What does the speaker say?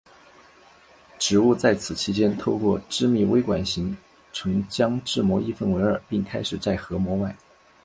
植物在此期间透过致密微管形成将质膜一分为二并开始在核膜外。